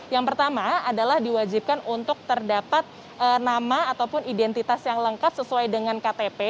yang pertama adalah diwajibkan untuk terdapat nama ataupun identitas yang lengkap sesuai dengan ktp